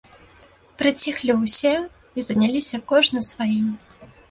Прыціхлі ўсе і заняліся кожны сваім.